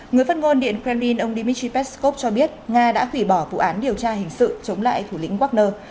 người phát ngôn điện kremlin ông dmitry peskov cho biết nga đã hủy bỏ vụ án điều tra hình sự chống lại thủ lĩnh wagner